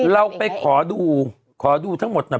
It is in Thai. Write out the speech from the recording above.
เราไปขอดูขอดูทั้งหมดหน่อย